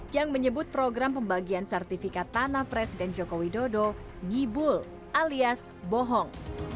yang menyebut program pembagian sertifikat tanah presiden joko widodo nyibul alias bohong